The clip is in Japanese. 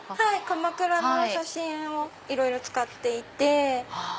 鎌倉の写真をいろいろ使っていて。